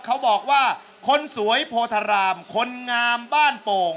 เขาบอกว่าคนสวยโพธารามคนงามบ้านโป่ง